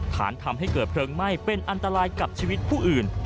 ฐานทำให้เกิดเพลิงไหม้เป็นอันตรายกับชีวิตผู้อื่น